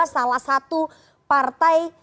salah satu partai